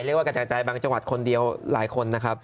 กระจายบางจังหวัดคนเดียวหลายคนนะครับ